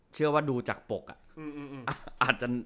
เชื่อว่าดูจากปกอาจจะ